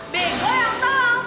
bego yang tau